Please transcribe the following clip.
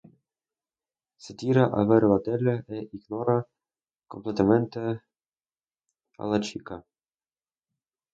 Se tira a ver la tele e ignora completamente a la chica.